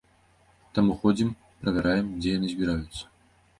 Таму ходзім, правяраем, дзе яны збіраюцца.